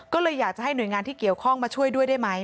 ก็เลยอยากจะให้หน่วยงานที่เกี่ยวข้องมาช่วยด้วยได้ไหม